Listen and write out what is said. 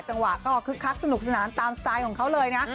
จังหวะก็คึกคักสนุกสนานตามสไตล์ของเขาเลยนะ